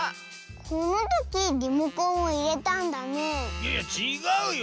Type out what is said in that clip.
このときリモコンをいれたんだねいやちがうよ。